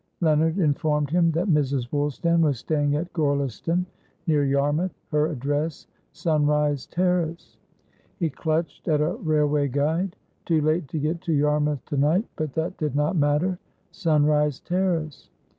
Leonard informed him that Mrs. Woolstan was staying at Gorleston, near Yarmouth, her address "Sunrise Terrace." He clutched at a railway guide. Too late to get to Yarmouth to night, but that did not matter. "Sunrise Terrace!"